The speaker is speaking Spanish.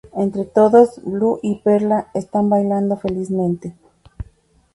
Entre todos, Blu y Perla están bailando felizmente.